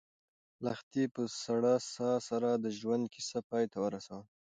لښتې په سړه ساه سره د ژوند کیسه پای ته ورسوله.